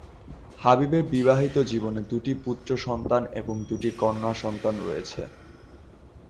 হাবিবের বিবাহিত জীবনে দুটি পুত্র সন্তান এবং দুটি কন্যা সন্তান রয়েছে।